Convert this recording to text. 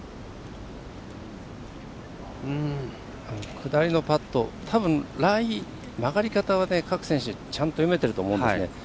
下りのパット、曲がり方は各選手、ちゃんと読めてると思うんですね。